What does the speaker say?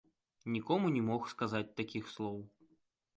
Нікому не мог сказаць такіх слоў.